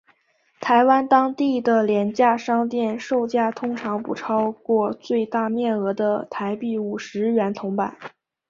台湾当地的廉价商店售价通常不超过最大面额的台币五十元铜板。